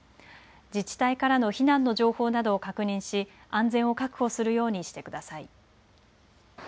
自治体からの避難の情報などを確認し安全を確保するようにしてください。